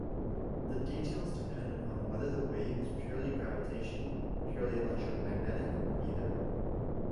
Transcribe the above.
The details depend upon whether the wave is purely gravitational, purely electromagnetic, or neither.